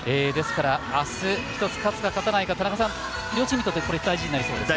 明日、一つ勝つか勝たないか両チームにとって大事になりそうですね。